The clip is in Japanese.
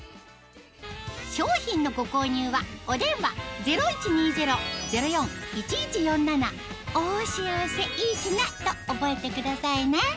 商品のご購入はお電話０１２０−０４−１１４７と覚えてくださいね